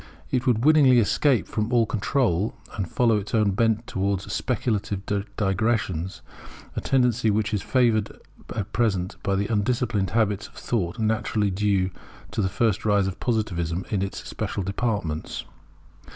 It would willingly escape from all control and follow its own bent towards speculative digressions; a tendency which is at present favoured by the undisciplined habits of thought naturally due to the first rise of Positivism in its special departments.